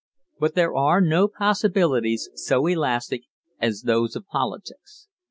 But there are no possibilities so elastic as those of politics.